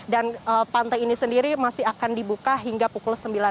dan pantai ini sendiri masih akan dibuka hingga pukul sembilan malam